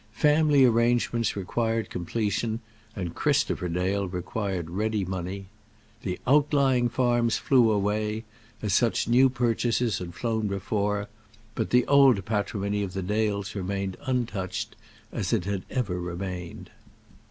Family arrangements required completion, and Christopher Dale required ready money. The outlying farms flew away, as such new purchases had flown before; but the old patrimony of the Dales remained untouched, as it had ever remained.